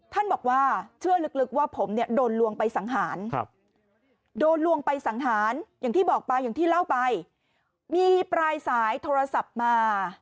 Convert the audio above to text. ท่านบอกว่าเชื่อลึกว่าผมเนี่ยโดนลวงไปสังหารโดนลวงไปสังหารอย่างที่บอกไปอย่างที่เล่าไปมีปลายสายโทรศัพท์มา